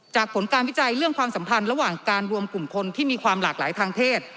ผลการวิจัยเรื่องความสัมพันธ์ระหว่างการรวมกลุ่มคนที่มีความหลากหลายทางเพศ